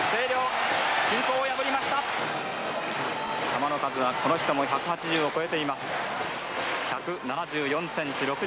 球の数はこの人も１８０を超えています。